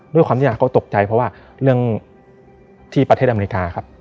ด้วยความที่เขาตกใจเพราะว่าเรื่องที่ประเทศอเมริกาครับ